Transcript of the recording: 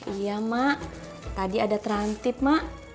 iya mak tadi ada terantip mak